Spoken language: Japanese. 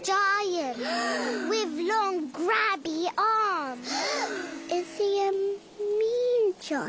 うん。